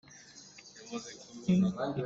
Hmai zarh ah amah nih phung a chim lai.